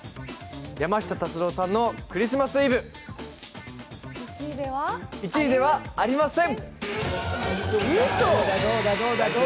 山下達郎さんの「クリスマス・イブ」は１位ではありません。